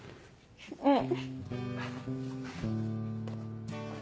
うん。